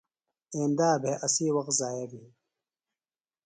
ایندا بھےۡ اسی وخت ضائع بھی۔